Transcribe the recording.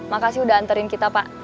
makasih udah antarin kita pak